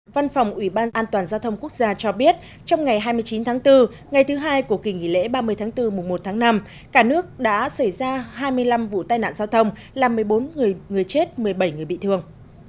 văn phòng ủy ban an toàn giao thông quốc gia cho biết trong ngày hai mươi chín tháng bốn ngày thứ hai của kỳ nghỉ lễ ba mươi tháng bốn mùa một tháng năm cả nước đã xảy ra hai mươi năm vụ tai nạn giao thông làm một mươi bốn người chết một mươi bảy người bị thương